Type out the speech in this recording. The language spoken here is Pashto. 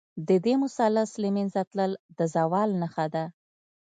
د دې مثلث له منځه تلل، د زوال نښه ده.